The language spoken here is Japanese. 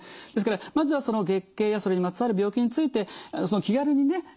ですからまずはその月経やそれにまつわる病気について気軽にね